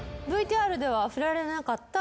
ＶＴＲでは振られなかった。